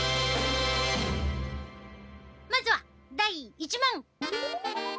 まずは第１問！